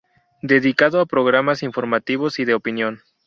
Dedicado a programas informativos y de opinión.